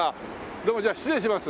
どうもじゃあ失礼します。